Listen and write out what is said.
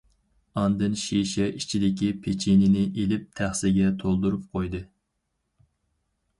ئاندىن شىشە ئىچىدىكى پېچىنىنى ئېلىپ تەخسىگە تولدۇرۇپ قويدى.